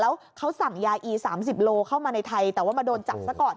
แล้วเขาสั่งยาอี๓๐โลเข้ามาในไทยแต่ว่ามาโดนจับซะก่อน